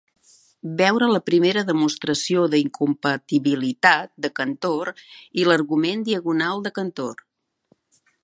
Veure la primera demostració d'incompatibilitat de Cantor i l'argument diagonal de Cantor.